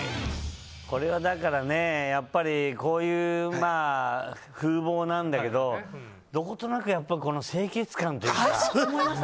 これはだからね、やっぱりこういう風貌なんだけどどことなくこの清潔感というか。